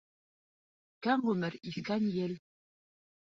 Үткән ғүмер иҫкән ел.